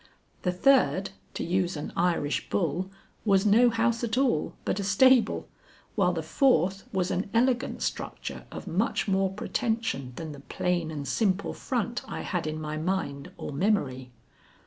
The third, to use an Irish bull, was no house at all, but a stable, while the fourth was an elegant structure of much more pretension than the plain and simple front I had in my mind or memory.